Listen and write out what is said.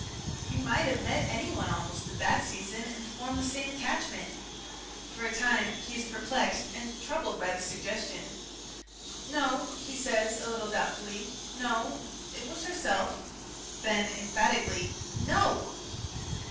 You might have met anyone almost at that season and formed the same attachment." For a time he is perplexed and troubled by this suggestion. "No," he says, a little doubtfully. "No. It was herself." ... Then, emphatically, "No!"